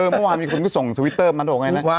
เมื่อวานมีคนก็ส่งทวิตเตอร์มาโดไงนะ